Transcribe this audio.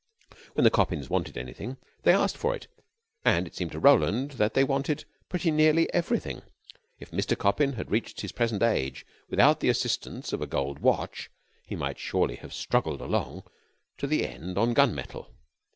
When the Coppins wanted anything, they asked for it; and it seemed to Roland that they wanted pretty nearly everything. If Mr. Coppin had reached his present age without the assistance of a gold watch, he might surely have struggled along to the end on gun metal.